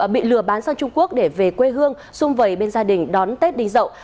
bị lừa bán sang trung quốc để về quê hương xung vầy bên gia đình đón tết đinh dậu